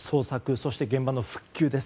そして、現場の復旧です。